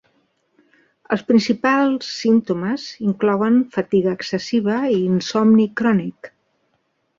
Els principals símptomes inclouen fatiga excessiva i insomni crònic.